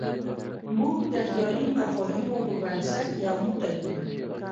موږ د خیالي مفاهیمو په بنسټ یو موټی یو.